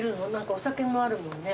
お酒もあるもんね。